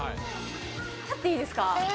立っていいですか？